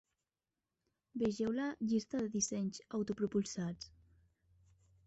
Vegeu la "Llista de dissenys autopropulsats"